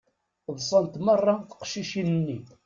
Ḍsant meṛṛa teqcicin-nni.